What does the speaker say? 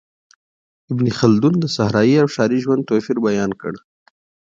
ابن خلدون د صحرایي او ښاري ژوند توپیر بیان کړ.